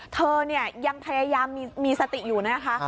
เธอเนี่ยยังพยายามมีสติอยู่นะคะ